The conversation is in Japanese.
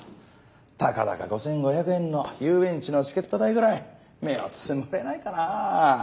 たかだか５，５００円の遊園地のチケット代ぐらい目をつむれないかなあ？